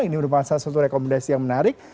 ini merupakan salah satu rekomendasi yang menarik